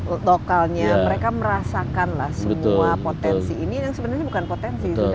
lokalnya mereka merasakanlah semua potensi ini yang sebenarnya bukan potensi itu adalah